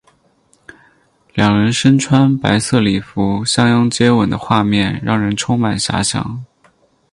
两人身穿白色礼服相拥接吻的画面让人充满遐想。